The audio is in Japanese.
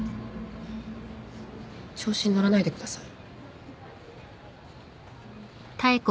調子に乗らないでください。